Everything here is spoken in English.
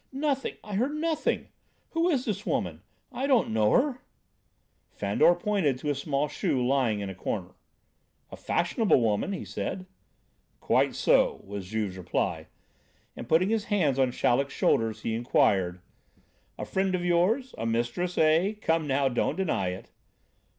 nothing! I heard nothing. Who is this woman? I don't know her!" Fandor pointed to a small shoe lying in a corner. "A fashionable woman," he said. "Quite so," was Juve's reply, and putting his hands on Chaleck's shoulders he inquired: "A friend of yours, a mistress, eh? Come now, don't deny it."